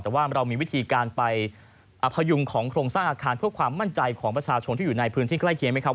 แต่ว่าเรามีวิธีการไปอพยุงของโครงสร้างอาคารเพื่อความมั่นใจของประชาชนที่อยู่ในพื้นที่ใกล้เคียงไหมครับ